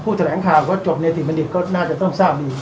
ผู้แสดงข่าวก็จบในอาทิตย์บรรดิก็น่าจะต้องทราบดีนะครับ